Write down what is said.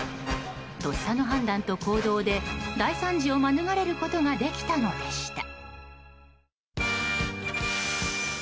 とっさの判断と行動で大惨事を免れることができたのでした。